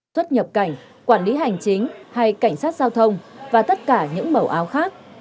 xuất nhập cảnh quản lý hành chính hay cảnh sát giao thông và tất cả những màu áo khác